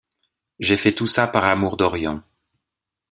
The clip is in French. j’ai fait tout ça par amour d’Orion.